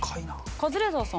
カズレーザーさん。